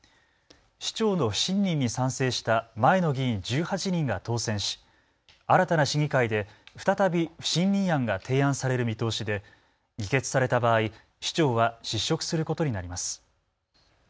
市長の不信任に賛成した前の議員１８人が当選し新たな市議会で再び不信任案が提案される見通しで議決された場合、市長は失職することになります。